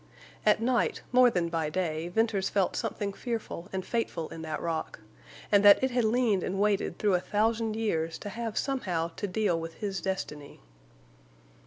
At night more than by day Venters felt something fearful and fateful in that rock, and that it had leaned and waited through a thousand years to have somehow to deal with his destiny.